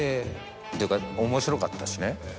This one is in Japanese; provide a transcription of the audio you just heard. っていうか面白かったしね。